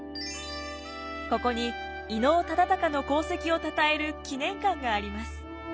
ここに伊能忠敬の功績をたたえる記念館があります。